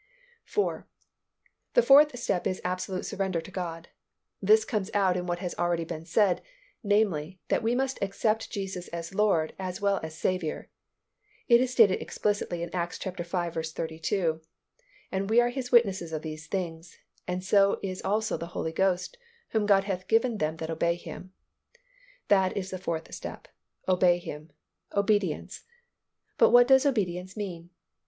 4. The fourth step is absolute surrender to God. This comes out in what has been already said, namely, that we must accept Jesus as Lord as well as Saviour. It is stated explicitly in Acts v. 32, "And we are His witnesses of these things; and so is also the Holy Ghost, whom God hath given to them that obey Him." That is the fourth step, "obey Him," obedience. But what does obedience mean?